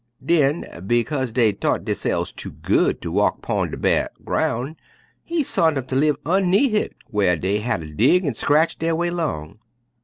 Den bekase dey thought derse'fs too good ter walk 'pun de bare groun' He sont 'em ter live un'need hit, whar dey hatter dig an' scratch der way 'long.